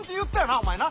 お前な？